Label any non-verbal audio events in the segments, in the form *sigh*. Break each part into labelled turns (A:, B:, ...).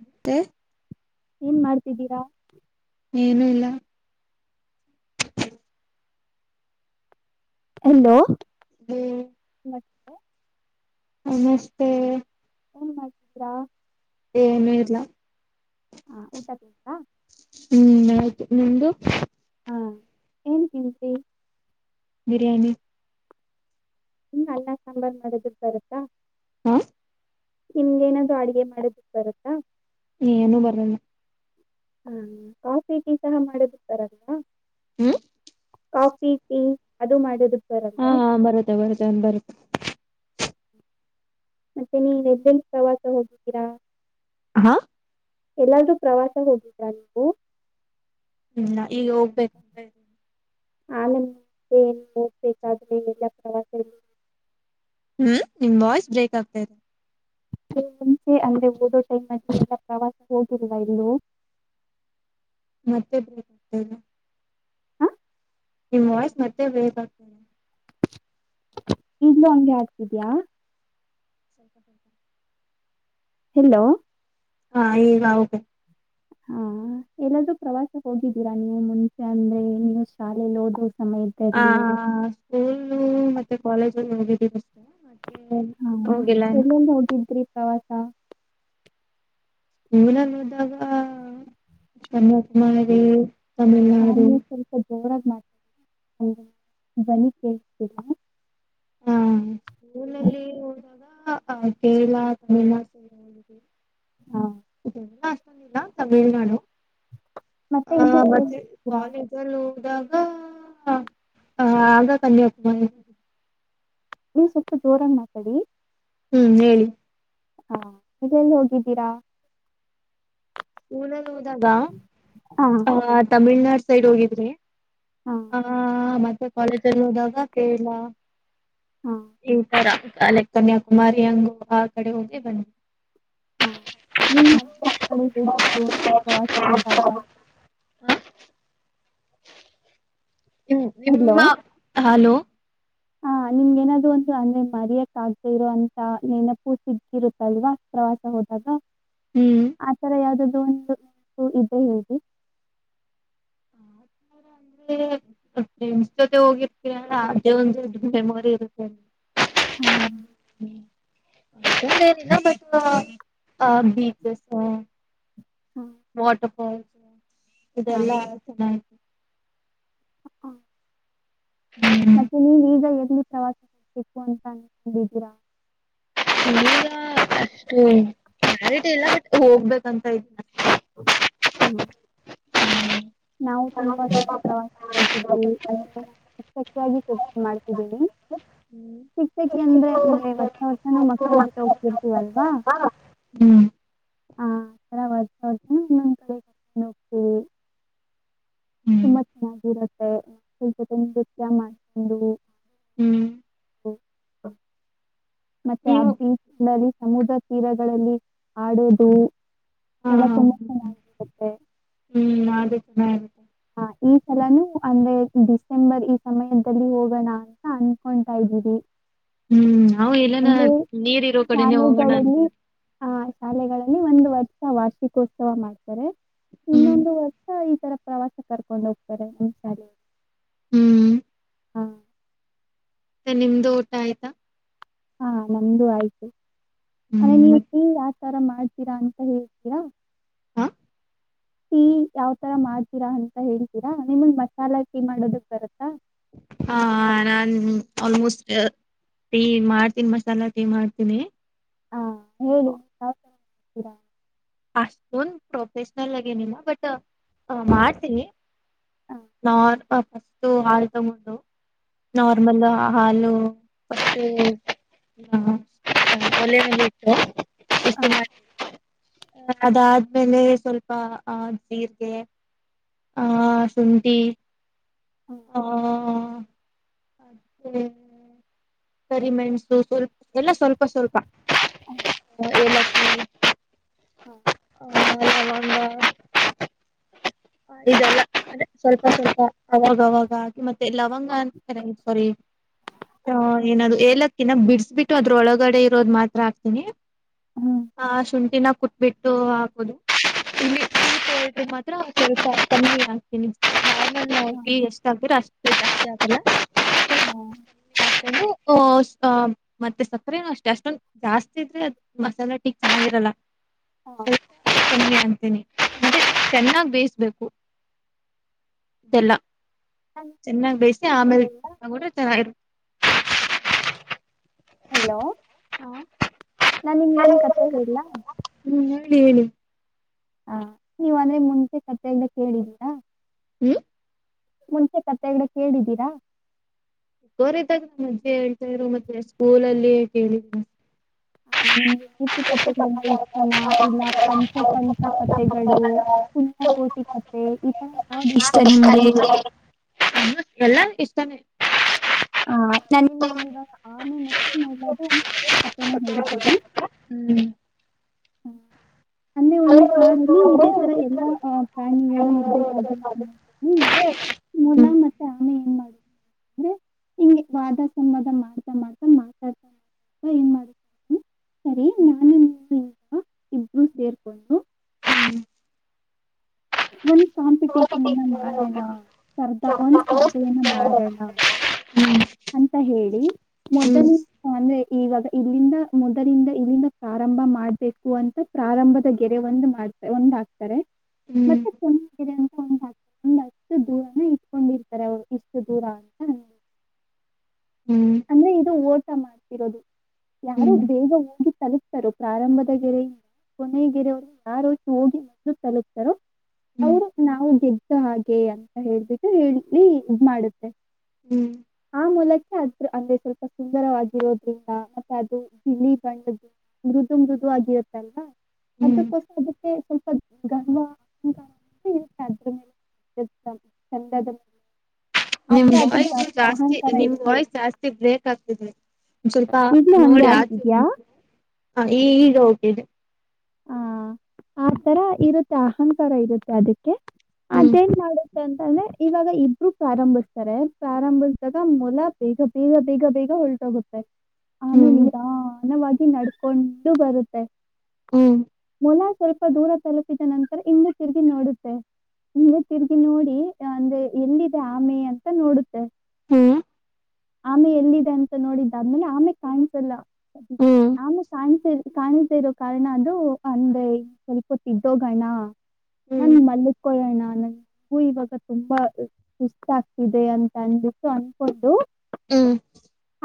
A: ಮತ್ತೆ
B: ಏನ್ ಮಾಡ್ತಿದ್ದೀರಾ.
A: ಏನೂ ಇಲ್ಲ. ಹ್ಮ ಹ
B: ಮತ್ತೆ
A: ನಮಸ್ತೆ
B: ಏನ್ ಮಾಡ್ತಿದ್ದೀರಾ.
A: ಏನು ಇಲ್ಲ
B: ಹ ಊಟ ತಿಂದ್ರಾ
A: ಹ್ಮ್ ಆಯ್ತು ನಿಮ್ದು
B: ಹಾ ಏನ್ ತಿಂದ್ರಿ
A: ಬಿರಿಯಾನಿ
B: ನಿಮಗೆ ಅನ್ನ ಸಾಂಬಾರು ಮಾಡೋದು ಬರುತ್ತಾ.
A: ಹಾ
B: ನಿಮ್ಗೆ ಏನಾದ್ರೂ ಅಡುಗೆ ಮಾಡೋದಕ್ಕೆ ಬರುತ್ತಾ.
A: ಹ ಏನೂ ಬರಲಿಲ್ಲ
B: ಹ್ಮ್ ಕಾಫಿ ಟೀ ಸಹ ಮಾಡುದಕ್ಕೆ ಬರಲ್ವಾ
A: ಹ್ಮ್
B: ಕಾಫಿ ಟೀ ಅದು ಮಾಡುತ್ತಾರಲ್ಲ.
A: ಹಾ ಬರುತ್ತ ಬರತ್ತನ್ ಬರುತ್ತ.
B: ಮತ್ತೆ ನೀನ್ ಎಲ್ ಎಲ್ ಪ್ರವಾಸ ಹೋಗಿದ್ದೀರಾ.
A: ಹಾ-
B: ಎಲ್ಲಾದೂ ಪ್ರವಾಸ ಹೋಗಿದ್ದೀರಾ ನೀವು
A: ಹ್ಮ್ ಈಗ ಹೋಗ್ಬೇಕ.
B: ಆ ನ. ಏನ್ ಹೋಗ್ಬೇಕಾದ್ರೆ ಎಲ್ಲಾ ಪ್ರವಾಸ.
A: ಹ್ಮ್ ನಿಮ್ ವಾಯ್ಸ್ ಬ್ರೇಕಕ್ಗ್ತ ಇದೆ.
B: ಮುಂಚೆ ಅಂದ್ರೆ ಓದೋ ಟೈಮ್ ಅ ಪ್ರವಾಸ ಹೋಗಿಲ್ವಾ ಇಲ್ಲೂ.
A: ಮತ್ತೆ *inaudible*
B: ಹ
A: ನಿಮ್ ವಾಯ್ಸ್ ಮತ್ತೆ ಬ್ರೇಕ್ ಆಗ್ತದೆ.
B: ಈಗ್ಲು ಹಂಗೆ ಆಗ್ತಿದ್ಯಾಾ.
A: ಸ್ವಲ್ಪ ಸ್ವಲ್ಪ.
B: ಹಲೋ.
A: ಹಾ ಈಗ ಓಕ್.
B: ಹಾ ಎಲ್ಲಾದೂ ಪ್ರವಾಸ ಹೋಗಿದ್ದೀರಾ ನೀವು ಮುಂಚೆ ಅಂದ್ರೆ ನೀವು ಶಾಲೇಯಲ್ಲಿ ಓದ್ರ ಸಮಯ.
A: ಆ ಸ್ಕೂಲ್ ಮತ್ತೆ ಕಾಲೇಜಲ್ಲಿ ಹೋಗಿದ್ದೀ ಬಸ್.
B: ಹ ಎಲ್ಲಿನ್ ಹೋಗಿದ್ರಿ ಪ್ರವಾಸ.
A: ಸ್ಕೂಲ್ನಲ್ಲಿ ಹೋದಾಗ ಕನ್ಯಕುಮಾರಿ.
B: ನಾನು ಸ್ವಲ್ಪ ಜೋರಾಗಿ ಮಾಡ್ತೀ *inaudible* ಒ ಧ್ವನಿ ಕೇಳ್ತಿಲ್ಲ.
A: ಹ ಸ್ಕೂಲಲ್ಲಿ ಹೋದಾಗ ಆ ಕೇರಳ ತಮಿಳ್ ನಾಡು ಸೈಡ್ ಹೋಗಿದ್ವಿ.
B: ಹಾ.
A: ಎಲ್ಲ ಅಷ್ಟಿಲ್ಲಾ ತಮಿಳ್ನಾಡು.
B: ಮತ್ತೆ ಇಲ್ಲೇ
A: ಹ
B: ಎಲ್ಲೆಲ್ಲಿ
A: ಮತ್ತೆ
B: ಹೋಗಿದ್ದೀರಾ
A: ಕಾಲೇಜ್. ಲ್ಲ ಹೋದಾಗ ಆಗ ಕನ್ಯಕುಮಾರಿ.
B: ನೀವ್ ಸ್ವಲ್ಪ ಜೋರಾಗಿ ಮಾತಾಡಿ.
A: ಹ್ಮ್ ಹೇಳಿ.
B: ಹಾ ಇಲ್ಲೆಲ್ಲಿ ಹೋಗಿದ್ದೀರಾ.
A: ಸ್ಕೂಲ್ ಅಲ್ಲಿ ಹೋದಾಗ
B: ಹಾ
A: ಆ ತಮಿಳ್ನಾಡ್ ಸೈಡ್ ಹೋಗಿದ್ರಿ.
B: ಹಾ
A: ಹ ಮತ್ತೆ ಕಾಲೇಜಲ್ಲಿ ಹೋದಾಗ ಕೇರಳ.
B: ಹಾ
A: ಈ ಸರಕ್ ಕನ್ಯಾಕುಮಾರಿ ಹಂಗು ಆ ಕಡೆ ಹೋಗೇ ಬನ್ನಿ.
B: ಹಾ *inaudible* ಹೇಗಿತ್ತು ಪ್ರವಾಸ ಹೋದಾಗ.
A: ಹಾ
B: ಹಲೋ
A: ನಿಮ್ಮ ಹಲೋ.
B: ಹಾ ನಿಮಗೇನಾದ್ರೂ ಒಂತ ಅಂದ್ರೆ ಮರಿಯಕ್ ಆದೆ ಇರೋ ಅಂತ ನೆನಪು ಸಿಗ್ಗಿರುತ್ತಲ್ವಾ. ಪ್ರವಾಸ ಹೋದಾಗ
A: ಹ್ಮ್
B: ಆತರ ಯಾವ್ದ್ದು ಒಂದು ಇದ್ದೇ ಹೇಳಿ. *unintelligible*
A: ಫ್ರೆಂಡ್ಸ್ ಜೊತೆ ಹೋಗಿರ್ತ ಅದೇ ಒಂದ್ ದೊಡ್ಡ ಮೆಮೊರಿ ಇರುತ್ತೆ.
B: ಹ್ಮ್.
A: ಹ್ಮ- ಅಂಥದ್ದೇನಿಲ್ಲ ಬಟ್ ಬೀಚಸ್.
B: ಹಾ-
A: ವಾಟರ್ಫಾಲ್ಸ್
B: ಹಾ.
A: ಇದೆಲ್ಲಾ ಚೆನ್ನಾಗಿ.
B: ಹ ಹ-
A: ಹ್ಮ್್ಮ-
B: ನೀವು ಈಗ ಎಗ್ಲಿ ಪ್ರವಾಸ ಮಾಡಬೇಕು ಅಂತ ಅಂದಿದ್ದೀರಾ.
A: ಈಗ ಅಷ್ಟು ಕ್ಲಾರಿಟಿ ಇಲ್ಲ ಬಟ್ ಹೋಗ್ಬೇಕಂತ ಇದೀವಿ.
B: ಹ್ಮ್. ನಾವು ತುಂಬಾ ಸಲೇ ಪ್ರವಾಸಕ್ಕೆ ಹೋಗಿದ್ದೀವಿ ಅಂದ್ರೆ *unintelligible* ಮಾಡ್ತಿದ್ದೀನಿ.
A: ಹ್ಮ್
B: ಶಿಕ್ಷಕಿ ಅಂದ್ರೆ ಅಂದ್ರೆ ವರ್ಷ ವರ್ಷನೂ ಮಕ್ಕಳ ಜೊತೆ ಹೋಗ್ತಿರ್ತೀವಲ್ವಾ.
A: ಹ್ಮ್
B: *unintelligible*
A: ಹ್ಮ್
B: ತುಂಬಾ ಚೆನ್ನಾಗಿರುತ್ತೆ ಮಕ್ಕಳ್ ಜೊತೆ ನೃತ್ಯ ಮಾಡ್ಕೊಂಡು.
A: ಹ್ಮ್.
B: ಮತ್ತೆ ಆ
A: ನೀವು
B: ಬೀಚ್ನಲ್ಲಿ ಸಮುದ್ರ ತೀರಗಳಲ್ಲಿ ಆಡೋದು. ಎಲ್ಲ ತುಂಬಾ ಚೆನ್ನಾಗಿರುತ್ತೆ
A: *unintelligible*
B: ಹ ಈ ಸಲನು ಅಂದ್ರೆ ಡಿಸೆಂಬರ್ ಈ ಸಮಯದಲ್ಲಿ ಹೋಗೋಣ. ಅಂತ ಅನ್ಕೊತಾ ಇದೀರಿ.
A: ಹ್ಮ್ ನವು ಎಲ್ಲನ ನೀರ್ ಇರೋ ಕಡೆನೆೇ ಹೋಗೋಣ ಅಂತ.
B: ಶಾಲೆಗಳಲ್ಲಿ ಆ ಶಾಲೆಗಳಲ್ಲಿ ಒಂದು ವರ್ಷ ವಾರ್ಷಿಕೋತ್ಸವ ಮಾಡ್ತಾರೆ.
A: ಹ್ಮ್
B: ಇನ್ನೊಂದು ವರ್ ರ್ಷ ಈ ತರ ಪ್ರವಾಸ ಕರ್ಕೊಂಡು ಹೋಗ್ತಾರೆ. ಒಂದ್ಸರಿ
A: ಹ್ಮ್ ಮತ್ತೆ ನಿಮ್ದು ಊಟ ಆಯ್ತಾ.
B: ಹಾ ನಮ್ದು ಆಯ್ತು ಅಂದೆ
A: ಹ್ಮ್
B: ನೀವು
A: ಮತ್
B: ಯಾವ್ತರ ಮಾಡ್ತೀರಾ ಅಂತ ಹೇಳ್ತೀರಾ.
A: ಹ
B: ಟೀ ಯಾವ್ ತರ ಮಾಡ್ತೀರಾ ಅಂತ ಹೇಳ್ತೀರಾ ನಿಮಗ್ ಮಸಾಲಾ ಟೀ ಮಾಡೋದಕ್ ಬರುತ್ತಾ.
A: ಹಾ ನಾನ್ ಆಲ್ಮೋಸ್ಟ್ ಟೀ ಮಾಡ್ತೀನಿ ಮಸಾಲಾ ಟೀ ಮಾಡ್ತೀನಿ.
B: ಆ, ಹೇಳಿ. ಯಾವ ತರ ಮಾಡ್ತೀರಾ
A: ಅಷ್ಟೊಂದ್ ಪ್ರೊಫೆೇಶನಲ್ ಆಗಿ ಏನಿಲ್ಲಾ. ಬಟ್ ಹ ಮಾಡ್ತೀನಿ
B: ಹಾ
A: ನಾರ್ ಫಸ್ಟು ಹಾಲ್ ತಗೊಂಡು.
B: ಹಾ
A: ನಾರ್ಮಲ್. ಹಾಲು ಮತ್ತೆ ಓಲೆ ಮೇಲೆ ಇಟ್ಟು. ಬಿಸಿ
B: ಹಾ.
A: ಮಾಡಿ ಅದಾದ್ಮೇಲೆ ಸ್ವಲ್ಪ ಆ ಜೀರ್ಗೆ. ಆ ಶುಂಠಿ. ಹಾ ಮತ್ತೆ, ಕರಿಮೆಣಸು ಸ್ವಲ್ಪ ಎಲ್ಲ ಸ್ವಲ್ಪ ಸ್ವಲ್ಪ ಏಲಕ್ಕಿ.
B: ಹಾ
A: ಹಾ ಲವಂಗಾ.
B: *inaudible*
A: ಇದೆಲ್ಲ. ಸ್ವಲ್ಪ ಸ್ವಲ್ಪ ಅವಾಗವಾಗ ಮತ್ತೆ ಲವಂಗ ಅಂತ ಸ್ವಾರಿ. ಹೂ
B: ಹ್ಮ್
A: ಏನದು ಏಲಕ್ಕಿನ ಬಿಡಿಸಬಿಟ್ಟು ಅದ್ರ್ ಒಳಗಡೆ ಇರೋದು ಮಾತ್ರ ಹಾಕ್ತೀನಿ. ಹಾ ಶುಂಠಿನಾ ಕುಟ್ ಬಿಟ್ಟು ಹಾಕೊದು. ಇಲ್ಲಿ ಟೀ ಪೌಡರ್ರಗಿ ಮಾತ್ರ ಸ್ವಲ್ಪ ಕಮ್ಮಿ ಹಾಕ್ *inaudible* ಹೋಗಿ
B: ಹ್ಮ್
A: ಎಷ್ಟ ಹಾಕ್ತಿರಾ ಅಷ್ಟು ಜಾಸ್ತಿ ಅಂತಲಾ.
B: ಹ್ಮ್
A: *inaudible* ಓಸ್ ಮತ್ತೆ ಸಕ್ಕರೆನ ಅಷ್ಟೆ ಅಷ್ಟೊಂದ ಜಾಸ್ತಿ ಇದ್ರೆ ಮಸಾಲೆ ಟೀ ಚೆನ್ನಾಗ್ ಇರಲ್ಲ. *inaudible* ತಿನಿ ಮತ್ತೆ ಚೆನ್ನಾಗ್ ಬೇಯಿಸ್ಬೇಕು ಎಲ್ಲ. ಚೆನ್ನಾಗ್ ಬೇಯ್ಸಿ ಆಮೇಲೆ ತಗೊಂಡ್ರೆ ಚೆನ್ನ *unintelligible*
B: ಹಲೋ ನಾನ್ ನಿನ್ಗ್ ಒಂದ್ ಕತೆ ಹೇಳ್ಲಾ.
A: ಹುಂ ಹುಂ ಮುಂದ್ ಹೇಳಿ.
B: ಹಾ ನೀವ್ ಅಂದ್ರೆ ಮುಂಚೆ ಕತೆ ಎಲ್ಲ ಕೇಳಿದಿರಾ.
A: ಹ್ಮ್.
B: ಮುಂಚೆ ಕತೆ ಎಲ್ಲ ಕೇಳಿದ್ದೀರಾ?
A: ಬೋರ್ ಇದ್ದಾಗ ನಮ್ ಆಜ್ಜಿ ಹೇಳ್ತಾಯಿದ್ರು ಮತ್ತೆ ಸ್ಕೂಲ ಅಲ್ಲಿ ಕೇಳಿದೆ.
B: ಹ. *inaudible* ಹಾ ನಿಮ್ಗೆ ನೀತಿ ಕತೆಗಳು ಆದ್ರೆ ಇಷ್ಟನಾ ಇಲ್ಲ ಪಂಚ ತಂತ್ರ ಕಥೆಗಳು *unintelligible* ಪುಣ್ಯ ಕೋಟಿ ಕತೆ ಈ ತರ ಯಾವ್ದ್ ಇಷ್ಟ ನಿಮ್ಗೆ.
A: *unintelligible* ಹ ಎಲ್ಲನು ಇಷ್ಟಾನೇ.
B: ಹ ನನ್ನಿಂಗೊಂದು ಇವಾಗ. ಆಮೆ ಮತ್ತು ಮೊಲದ ಕಥೆನಾ ಹೇಳಿದೀವಿ.
A: ಹ್ಮ್
B: *unintelligible* *unintelligible* ಒನ್
A: ಹ್ಮ್
B: ಕಾಡಲ್ಲಿ ಇದೇ
A: ಹ್ಮ್
B: ತರ ಎಲ್ಲಾ ಹ ಪ್ರಾಣಿಗಳು ಇರ್ಬೇಕಾಗಿತ್ತು
A: *inaudible*
B: ಮೊಲ ಮತ್ತೆ ಆಮೆ ಏನ್ ಮಾಡುದ್. ಇಂಗೆ ವಾದ ಸಂವಾದ ಮಾಡ್ತಾ ಮಾಡ್ತಾ ಮಾತಾಡ್ತಾ ಏನ್ ಮಾಡ್ ಹ್ಮ ಸರಿ ನಾನು ನಿವೂ ಸೇರ್ ಕೊಂಡು
A: ಹ್ಮ್ *unintelligible* *inaudible*
B: ಮಾಡಾಣ ಸ್ಪರ್ಧಾ ಒಂದ್ ಸ್ಪರ್ಧೆಯನ್ನ ಮಾಡಣ. ಅಂತ ಹೇಳಿ ಮೊದಲಿನ್ ಅಂದ್ರೆ ಇವಾಗ್ ಇಲ್ಲಿಂದ ಮೊದಲಿಂದ ಇಲ್ಲಿಂದ ಪ್ರಾರಂಭ ಮಾಡ್ ಬೇಕು ಅಂತ ಪ್ರಾರಂಭದ ಗೆರೆ ಒಂದ್ ಮಾಡು ಒಂದ್ ಹಾಕ್ತಾರೆ. *unintelligible* *unintelligible* ಅಷ್ಟು ದೂರ ಇಟ್ಕೊಂಡ್. ಇರ್ತಾರೆ ಅವರು ಇಷ್ಟು ದೂರ ಅಂತ. ಅಂದ್ರೆ ಇದು ಓಟ ಮಾಡ್ತಿರೋದು ಯಾರು
A: ಹ್ಮ್
B: ಬೇಗ ಹೋಗಿ ತಲುಪ್ ತರೋ ಪ್ರಾರಂಭದ ಗೆರೆ ಇಂದ ಕೊನೆಗೆರೆವರ್ಗು ಯಾರು ಹೋಗಿ ಮೊದ್ಲು ತಲುಪ್ ತ್ತರೋ
A: ಹ್ಮ್ ಹ್ಮ್
B: ಅವರು ನಾವು ಗೆದ್ದಾ ಹಾಗೆ ಅಂತ ಹೇಳ್ಬಿಟ್ಟು ಹೇಳಿ ಇದ್ ಮಾಡುತ್ತೆ.
A: ಹ್ಮ್
B: ಆ ಮೊಲಕ್ಕೆ ಅದ್ರ್ ಅಂದ್ರೆ ಸ್ವಲ್ಪ ಸುಂದರವಾಗಿರೋದ್ರಿಂದ ಮತ್ತೆ ಅದು ಬಿಳಿ ಬಣ್ಣುದ್ ಮೃದು ಮೃದು ಆಗಿರುತ್ತೆ ಅಲ್ವಾ
A: ಹ್ಮ್
B: ಅದಕ್ಕೋಸ್ ಅದಕ್ಕೆ ಸ್ವಲ್ಪ ಗರ್ವ *unintelligible* ಇರುತ್ತೆ ಅದಕೆ *unintelligible* ಕಂಡದರೂ.
A: ನಿಮ್ ವಾಯ್ಸ್ ಜಾಸ್ತಿ
B: ಅಹಂಕಾರ
A: ನಿಮ್
B: ಇರುತ್ತೆ
A: ವಾಯ್ಸ್ ಜಾಸ್ತಿ ಬ್ರೇಕ್ ಆಗತ್ತಿದೆ. ಒನ್ ಸ್ವಲ್ಪ
B: ಈಗಲೂ
A: ನೋಡ್
B: ಹಂಗೆ
A: ಅಚೆ
B: ಆಗ್ತಿದ್ಯಾ
A: ಬನ್ನಿ ಈ ಈ ಈಗ್ ಓಕೆನೆ
B: ಆ ಆ ತರ ಇರುತ್ತೆ ಅಹಂಕಾರ ಇರುತ್ತೆ ಅದಕ್ಕೆ
A: ಹ್ಮ್
B: ಅದೇನ್ ಮಾಡ್ *unintelligible* ತಂದ್ರೆ ಇವಾಗ ಇಬ್ರು ಪ್ರಾರಂಬಿಸ್ತಾರೆ ಪ್ರಾರಂಬುಸ್ಸುದಾಗ ಮೊಲ ಬೇಗ. ಬೇಗ ಬೇಗ ಬೇಗ ಹೊಲ್ಟೊಗುತ್ತೆ. ಆಮೆ
A: ಹ್ಮ್
B: ನಿಧಾನಾವಾಗಿ ನಡ್ ಕೊಂಡು ಬರುತ್ತೆ.
A: ಹ್ಮ್
B: ಮೊಲ ಸ್ವಲ್ಪ ದೂರ ತಲುಪಿದ ನಂತರ ಇಂದೆ ತಿರುಗಿ ನೋಡುತ್ತೆ. ಇಂದೇ ತಿರುಗಿ ನೋಡಿ ಅಂದ್ರೆ ಎಲ್ಲಿದೆ ಆಮೆ ಅಂತ ನೋಡುತ್ತೆ
A: ಹ್ಮ್
B: ಆಮೆ ಎಲ್ಲಿದೆ ಅಂತ ನೋಡಿದ್ದಾದ್ಮೇಲೆ ಆಮೆ ಕಾಣ್ಸಲ್ಲ
A: ಹ್ಮ್ ಹ್ಮ್ ಹ್ಮ್
B: ಆಮೆ ಕಾಣ್ಸ ಕಾಣಿಸದ ಇರೋ ಕಾರಣ ಅ *unintelligible* ಅಂದೆ ಸ್ವಲ್ಪ ಹೊತ್ತು ಇದ್ದು ಹೋಗೋಣ ನನ್ ಮಲ್ಲಕೊಳ್ಳೋಣ ನನ್ ನಾವು ಇವಾಗ ತುಂಬಾ ಸುಸ್ತ ಆಗುತ್ತಿದೆ ಅಂತ ಅನ್ಬಿಟ್ಟು ಅನ್ಕೊಂಡು
A: ಹ್ಮ್-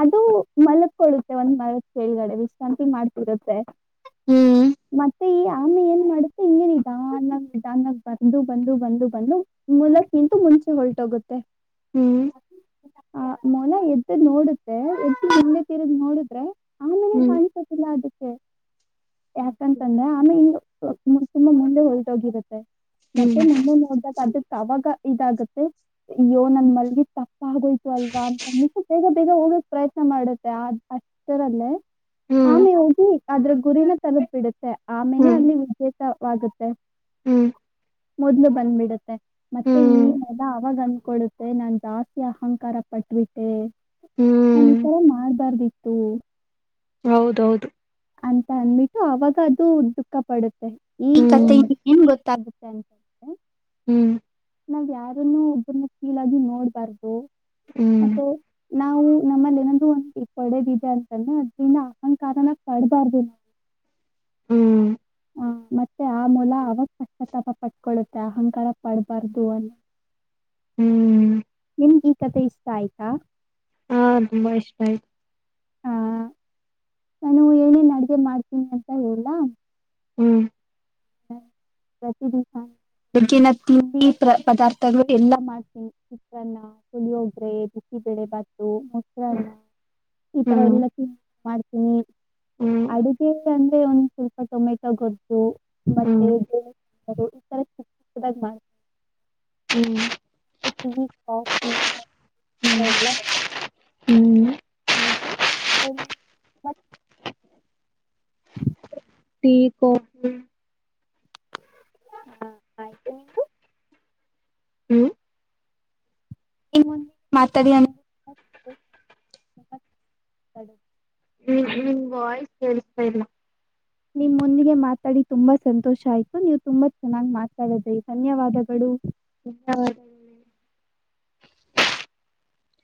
B: ಅದು ಮಲ್ಕೊಳ್ಳುತ್ತೆ ಒಂದ್ ಮರಕ್ ಕೆಳಗಡೆ ವಿಶ್ರಾಂತಿ ಮಾಡ್ತಿರುತ್ತೆ.
A: ಹ್ಮ್-
B: ಮತ್ತೆ ಈ ಆಮೆ ಏನ್ ಮಾಡುತ್ತೆ ಇಲ್ಲಿ ನಿಧಾನಕ್ ಬಂದು ಬಂದು ಬಂದು ಬಂದು. ಮುಲಕ್ ಇಂತೂ ಮುಂಚೆ ಹೊಲ್ಟೋಗುತ್ತೆ.
A: ಹ್ಮ್-
B: ಆ ಮೊಲ ಎದ್ದ್ ನೋಡುತ್ತೆ ಎದ ಹಿಂದೆ ತಿರುಗಿ ನೋಡಿದ್ರೆ ಆ.
A: ಹ್ಮ್-
B: ಲ್ಲ ಅದಕ್ಕೆ. ಂತಂದ್ರೆ ಆಮೇ ಇನ್ನು ತುಂಬಾ ಮುಂದೆ ಹೊಳಟೋಗಿರುತ್ತೆ. ಮತ್ತೆ
A: ಹ್ಮ್
B: ಮೊನ್ನೆ ನೋಡ್ದಕ್ ಅದಕ್ಕೆ ಅವಾಗ ಇದಾಗತ್ತೆ. ಅಯ್ಯೋ ನನ್ ಮಲ್ಗ ತಪ್ಪ ಆಗೋಯ್ತು ಅಲ್ವಾ ಅಂತ ಬೇಗ ಬೇಗ ಹೋಗಕ್ ಪ್ರಯತ್ನ ಮಾಡುತ್ತೆ ಅಷ್ಟ. ಲ್ಲೇ
A: ಹ್ಮ್
B: ಆಮೇ ಹೋಗಿ ಅದ್ರ ಗುರಿನ ತಲುಪಿಡುತ್ತೆ ಆಮೇನೇ
A: ಹ್ಮ್
B: ಅಲ್ಲಿಿದ್ಯ. ಆಗುತ್ತೆ
A: ಹ್ಮ್
B: ಮೊದ್ಲು ಬಂದ್ಬಿಡುತ್ತೆ. ಮತ್ತೆ ಈ
A: ಹ್ಮ್
B: ಮೊಲ ಅವಾಗ ಅಂದ್ಕೊಡುತ್ತೆ ನಾನ್ ಜಾಸ್ತಿ ಅಹಂಕಾರ ಪಟ್ಬಿಟ್ಟೆ. ನಾನ
A: ಹ್ಮ್
B: ಈಥರ ಮಾಡ್ಬಾರ್ದಿತ್ತು.
A: ಹೌದೌದು.
B: ಅಂತ ಅಂದ್ಬಿಟ್ಟು ಅವಾಗ ಅದು ದುಃಖ ಪಡುತ್ತೆ ಈ ಕಥೆ.
A: ಹ್ಮ್
B: ನಿಮ್ ಗೊತ್ತಾಗುತ್ತೆ ಅಂತ.
A: ಹ್ಮ್-
B: ನಾವ್ ಯಾರನ್ನು ಒಬ್ಬರನ್ನ ಕೀಲಾಗಿ ನೋಡ್ಬಾರ್ದು
A: ಹ್ಮ್
B: ಮತ್ತೆ. ನಾವು ನಮ್ಮಲ್ಲಿ ಏನಂದೂ ಒಂದು ಪಡೆದಿದೆ ಅಂತಂದ್ರೆ ಅದ್ರಂದ ಅಹಂಕಾರನಾಗ ಪಡ್ಬಾರ್ದು.
A: ಹ್ಮ್-
B: ಹಾ ಮತ್ತೆ ಆ ಮೂಲ ಅವಾಗ ಪಶ್ಚಾತ್ತಾಪ ಪಡ್ಕೊಳ್ಳುತ್ತೆ ಅಹಂಕಾರ ಪಡ್ಬಾರ್ದು ಅಂತ. *inaudible*
A: ಹ್ಮ್-
B: ನಿಮಗ ಈ ಕಥೆ ಇಷ್ಟ ಆಯ್ತಾ.
A: ಹಾ ತುಂಬಾ ಇಷ್ಟ ಆಯ್ತು.
B: ಆ ನಾನು ಏನೇನ್ ಅಡಗೆ ಮಾಡ್ತೀನಿ ಅಂತ ಹೇಳ.
A: ಹ್ಮ್-
B: ಪ್ರತಿ ದಿಸಾ. ಬೆಗ್ಗಿನ ತಿಂಡಿ ಪದಾರ್ಥಗಳು ಎಲ್ಲಾ ಮಾಡ್ತೀನಿ. ಚಿತ್ರಾನ್ನ ಪೀಳಿವಿಗ್ರಿ ಬಿಸಿ ಬೆಳೆ ಬಾತು ಮೊಸರನ್ನ. ಈ ತರ
A: ಹ್ಮ್
B: ಎಲ್ಲಕ್ಕ ಮಾಡ.
A: ಹ್ಮ್
B: ಅಡುಗೆ ಅಂದ್ರೆ ಒಂದ್ ಸ್ವಲ್ಪ ಟೊಮೆಟೊ ಗೊಜ್ಜು. ಮತ್ತೆ
A: ಹ್ಮ್
B: *inaudible* ಮಾಡ್ತಾರೆ.
A: ಹ್ಮ್-
B: ಿ ಕಾಫಿರ
A: ಹ್ಮ್
B: ಎಲ್ಲ
A: ಹ್ಮ್
B: ಹ ಮತ್ತ.
A: Tea coffee.
B: ಹಾ ಆಯ್ತು ನಿಮ್ದು.
A: ಹ್ಮ್-
B: *unintelligible* ಮಾತಾಡ್ಯನ.
A: ಹ್ಮ್ ನಿಮ್ ವಾಯ್ಸ್ ಕೇಳ್ತಾ ಇಲ್ಲ.
B: ನಿಮ್ಮೊಂದಿಗೆ ಮಾತಾಡಿ ತುಂಬಾ ಸಂತೋಷ ಆಯ್ತು ನೀವು ತುಂಬಾ ಚೆನ್ನಾಗಿ ಮಾತಾಡ್ರಿ ಧನ್ಯವಾದಗಳು.
A: *unintelligible*